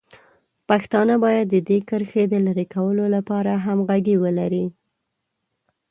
پښتانه باید د دې کرښې د لرې کولو لپاره همغږي ولري.